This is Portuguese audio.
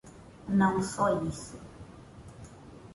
Não só isso.